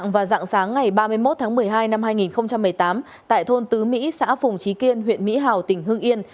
và dạng sáng ngày ba mươi một tháng một mươi hai năm hai nghìn một mươi tám tại thôn tứ mỹ xã phùng trí kiên huyện mỹ hào tỉnh hương yên